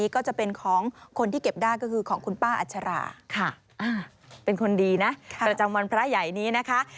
ค่ะเป็นคนดีนะประจำวันพระใหญ่นี้นะคะ